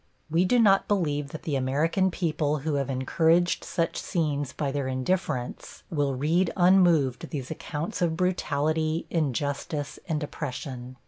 We do not believe that the American people who have encouraged such scenes by their indifference will read unmoved these accounts of brutality, injustice and oppression.